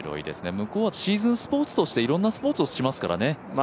向こうはシーズンスポーツでいろんなスポーツをしますからね。